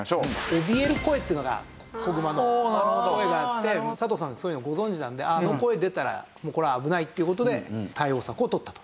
おびえる声っていうのが子グマの声があって佐藤さんはそういうのをご存じなんであの声出たらもうこれは危ないっていう事で対応策を取ったと。